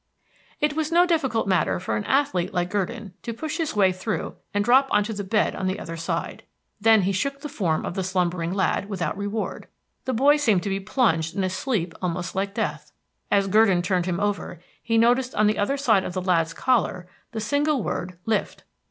It was no difficult matter for an athlete like Gurdon to push his way through and drop on to the bed on the other side. Then he shook the form of the slumbering lad without reward. The boy seemed to be plunged in a sleep almost like death. As Gurdon turned him over, he noticed on the other side of the lad's collar the single word "Lift."